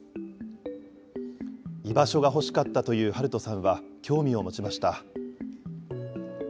居場所が欲しかったというハルトさんは興味を持ちました。